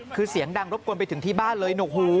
คือเสียงดังรบกวนไปถึงที่บ้านเลย